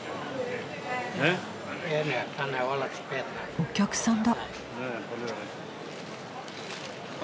お客さんだ。